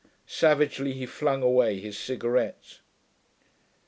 Savagely he flung away his cigarette.